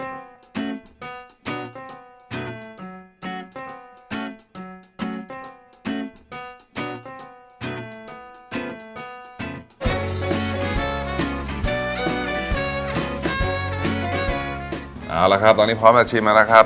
เอาละครับตอนนี้พร้อมจะชิมแล้วนะครับ